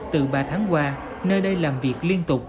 từ ba tháng qua nơi đây làm việc liên tục